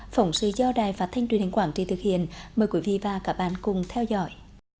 phỏng sự do đài phát thanh truyền hình quảng trì thực hiện mời quý vị và các bạn cùng theo dõi